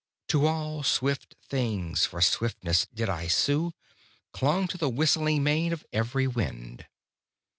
To all swift things for swiftness did I sue; Clung to the whistling mane of every wind.